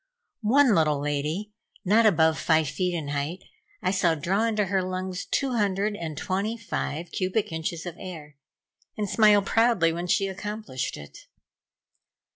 One little lady, not above five feet in height, I saw draw into her lungs two hundred and twenty five cubic inches of air, and smile proudly when she accomplished it.